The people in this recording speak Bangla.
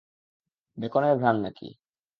বেকনের ঘ্রাণ নাকি?